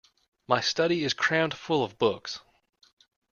My study is crammed full of books.